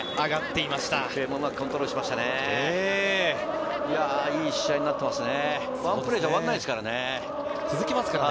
いい試合になっていますね。